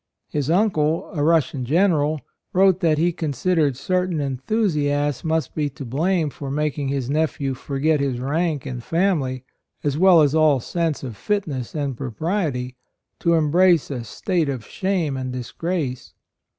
His uncle, a Russian general, wrote that he considered cer tain enthusiasts must be to blame for making his nephew forget his rank and family, as well as all sense of fitness and propriety, to embrace "a state of shame and disgrace."